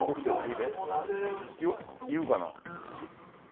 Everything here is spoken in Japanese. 言うかな？